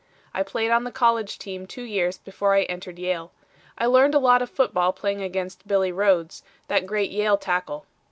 I played on the college team two years before I entered Yale. I learned a lot of football playing against Billy Rhodes, that great Yale tackle.